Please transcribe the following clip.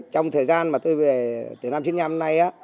trong thời gian mà tôi về từ năm chín mươi năm nay